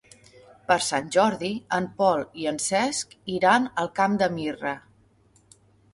Per Sant Jordi en Pol i en Cesc iran al Camp de Mirra.